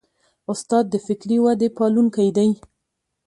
استاد د فکري ودې پالونکی دی.